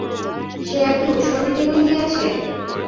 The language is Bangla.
সে এক কি উৎসবের দিনই গিয়াছে!